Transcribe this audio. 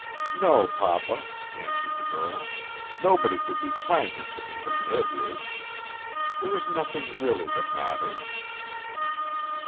"No, papa," answered the girl. "Nobody could be kinder to me than Ed. is. There is nothing really the matter."